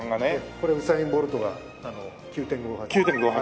これウサイン・ボルトが９．５８。